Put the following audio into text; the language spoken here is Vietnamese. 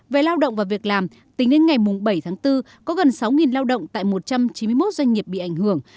về lao động và việc làm tính đến ngày bảy tháng bốn có gần sáu lao động tại một trăm chín mươi một doanh nghiệp bị ảnh hưởng